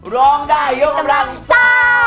ร้องได้ยกรังซ้า